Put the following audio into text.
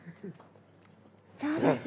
どうです？